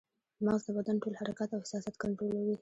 مغز د بدن ټول حرکات او احساسات کنټرولوي